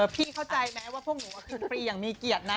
พี่เข้าใจไหมว่าพวกหนูกินฟรีอย่างมีเกียรตินะ